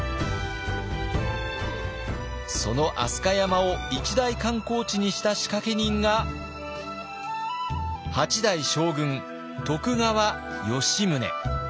その飛鳥山を一大観光地にした仕掛け人が８代将軍徳川吉宗。